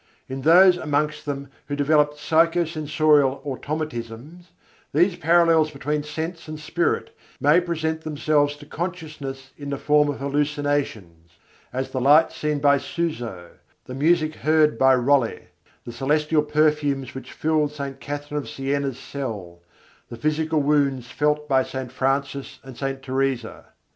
In those amongst them who develop psycho sensorial automatisms, these parallels between sense and spirit may present themselves to consciousness in the form of hallucinations: as the light seen by Suso, the music heard by Rolle, the celestial perfumes which filled St. Catherine of Siena's cell, the physical wounds felt by St. Francis and St. Teresa.